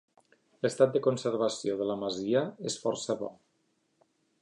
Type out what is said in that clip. L'estat de conservació de la masia és força bo.